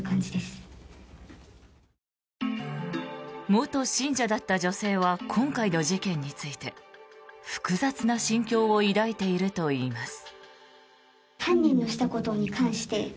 元信者だった女性は今回の事件について複雑な心境を抱いているといいます。